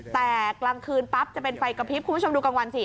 แต่กลางคืนปั๊บจะเป็นไฟกระพริบคุณผู้ชมดูกลางวันสิ